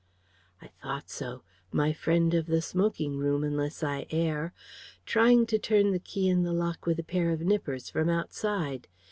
"I thought so. My friend of the smoking room, unless I err. Trying to turn the key in the lock with a pair of nippers, from outside.